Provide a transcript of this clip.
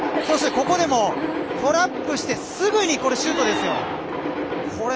そして、ここもトラップしてすぐにシュートですよ。